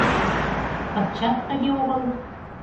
Пырчат тыге огыл.